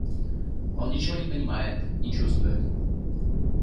Он ничего не понимает, не чувствует.